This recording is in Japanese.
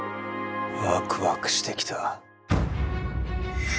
ワクワクしてきた。